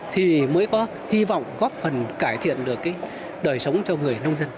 thì mới có hy vọng góp phần cải thiện được đời sống cho người nông dân